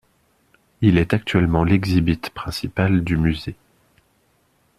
Il est actuellement l'exhibit principal du Musée.